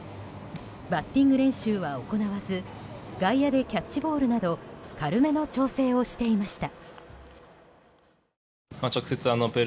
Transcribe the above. バッティング練習は行わず外野でキャッチボールなど軽めの調整をしていました。